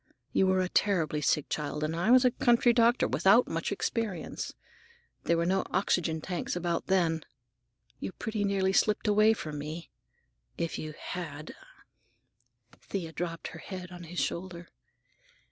You were a terribly sick child, and I was a country doctor without much experience. There were no oxygen tanks about then. You pretty nearly slipped away from me. If you had—" Thea dropped her head on his shoulder.